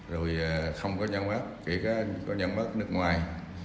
rồi không có nhãn mát kể cả có nhãn mát nước ngoài